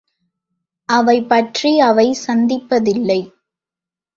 அவைபற்றி அவை சிந்திப்பதில்லை.